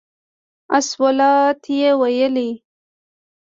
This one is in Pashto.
الصلواة یې ویلو.